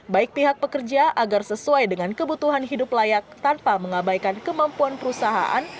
baik pihak pekerja agar sesuai dengan kebutuhan hidup layak tanpa mengabaikan kemampuan perusahaan